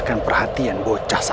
kau benar maesha